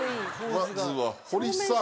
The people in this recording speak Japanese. まずは堀さん。